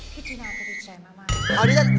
พิธีนาก็ดีใจมาก